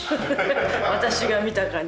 私が見た感じ。